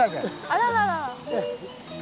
あらららら。